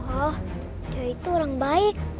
oh ya itu orang baik